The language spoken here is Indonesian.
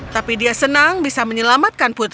tapi dia senang bisa menyelamatkan pes partu